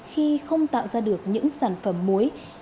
khi không tạo ra được những sản phẩm mối